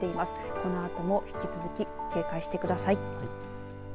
このあとも引き続き、警戒してください。